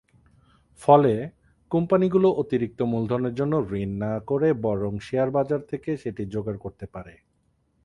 ফলে, কোম্পানিগুলি অতিরিক্ত মূলধনের জন্য ঋণ না করে বরং শেয়ার বাজার থেকে সেটি জোগাড় করতে পারে।